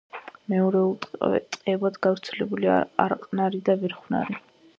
მეორეულ ტყეებად გავრცელებულია არყნარი და ვერხვნარი.